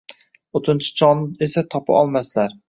…O’tinchi cholni esa topa olmaslar